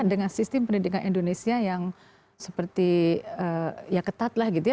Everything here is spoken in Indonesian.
dengan sistem pendidikan indonesia yang seperti ya ketat lah gitu ya